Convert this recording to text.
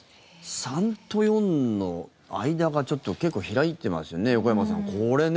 ３と４の間がちょっと結構開いてますよね、横山さん。